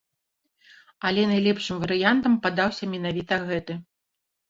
Але найлепшым варыянтам падаўся менавіта гэты.